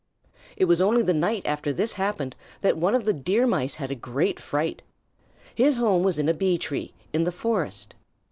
It was only the night after this happened that one of the Deer Mice had a great fright. His home was in a Bee tree in the forest.